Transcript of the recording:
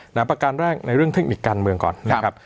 ประการแรกในเรื่องเทคนิคการเมืองก่อนนะครับ